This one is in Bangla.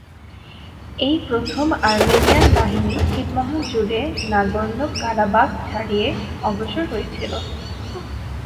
এই প্রথম আর্মেনিয়ান বাহিনী ছিটমহল জুড়ে নাগোর্নো-কারাবাখ ছাড়িয়ে অগ্রসর হয়েছিল।